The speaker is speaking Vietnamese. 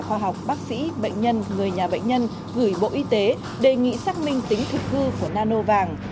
khoa học bác sĩ bệnh nhân người nhà bệnh nhân gửi bộ y tế đề nghị xác minh tính thực hư của nano vàng